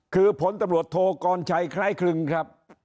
คือผลตำรวจโทกรชัยคล้ายคลึงครับ